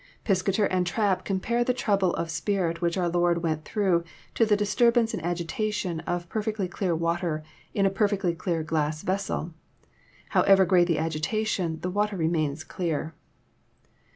Piscator and Trapp compare the trouble of spirit which our Lord went through, to the disturbance and agitation of perfectly clear water in a perfectly clear glass vessel. However great the agitation, the water remains clear.